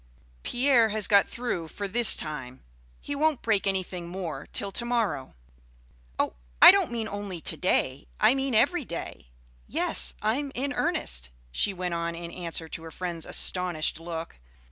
Pierre has got through for this time. He won't break anything more till to morrow." "Oh, I don't mean only to day; I mean every day. Yes, I'm in earnest," she went on in answer to her friend's astonished look.